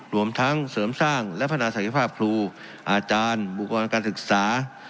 รวมทั้งเสริมสร้างและพัฒนาศักยภาพครูอาจารย์บุกรการศึกษา